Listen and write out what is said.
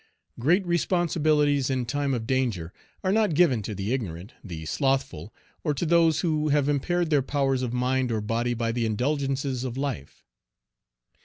Great responsibilities in time of danger are not given to the ignorant, the slothful, or to those who have impaired their powers of mind or body by the indulgences of life.